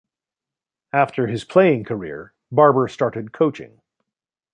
After his playing career, Barber started coaching.